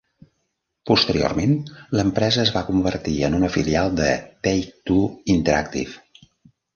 Posteriorment l'empresa es va convertir en una filial de Take-Two Interactive.